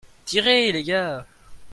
Tirez, les gars !